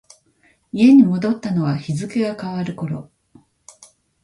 家に戻ったのは日付が変わる頃。